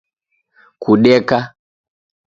Kudeka